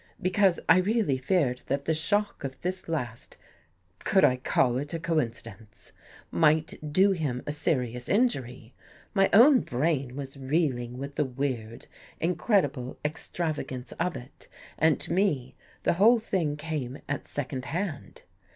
Because I really feared that the shock of this last — could I call it a coincidence ?— might do him a serious injury. My own brain was reeling with the weird, incredible extravagance of it and to me the whole thing came at second hand.